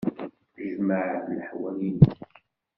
Jmeɛ-d leḥwal-nnek.